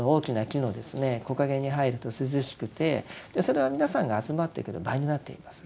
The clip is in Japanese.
木陰に入ると涼しくてそれは皆さんが集まってくる場になっています。